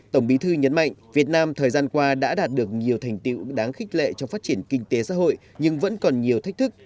tổng bí thư nhấn mạnh việt nam thời gian qua đã đạt được nhiều thành tiệu đáng khích lệ trong phát triển kinh tế xã hội nhưng vẫn còn nhiều thách thức